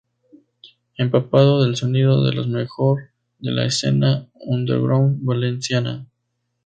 Empapado del sonido de los mejor de la escena underground valenciana.